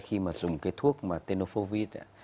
khi mà dùng cái thuốc tenofovid